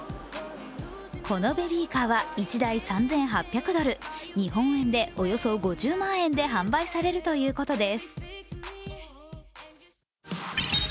このベビーカーは１台３８００ドル、日本円でおよそ５０万円で販売されるということです。